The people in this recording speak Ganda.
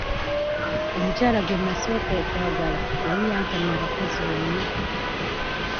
Omukyala gwe nnasooka okwagala yali yantamya abakazi bonna.